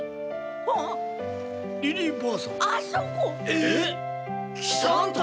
えっ？